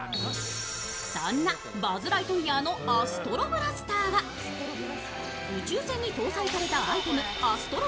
そんなバズ・ライトイヤーのアストロブラスターは宇宙船に搭載されたアイテムアストロ